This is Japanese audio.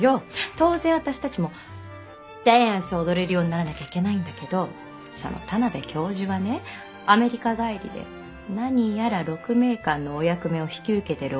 当然私たちもダンスを踊れるようにならなきゃいけないんだけどその田邊教授がねアメリカ帰りで何やら鹿鳴館のお役目を引き受けてるお人らしいのよ！